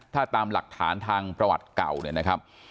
ถ้าตามหลักฐานทางประวัติเก่าเนี่ยนะครับ